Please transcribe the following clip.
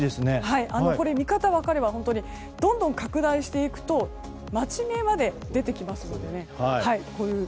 見方が分かれば本当に、どんどん拡大していくと町名まで出てきますのでね。